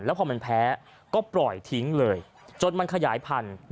พอมันแพ้ก็ปล่อยทิ้งเลยจนมันขยายพันธุ